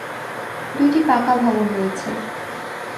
দুইটি পাকা ভবন রয়েছে।।